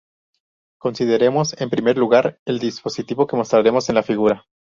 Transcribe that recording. Consideremos en primer lugar el dispositivo que mostramos en la figura.